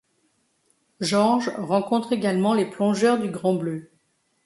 Georges rencontre également les plongeurs du Grand Bleu.